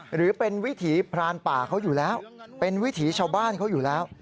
หรือเป็นวิถีพรานป่าเขาอยู่แล้วเป็นวิถีชาวบ้านเขาอยู่แล้ว